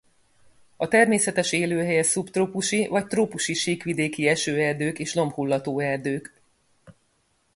A természetes élőhelye szubtrópusi vagy trópusi síkvidéki esőerdők és lombhullató erdők.